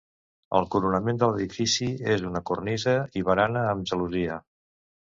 El coronament de l'edifici és una cornisa i barana amb gelosia.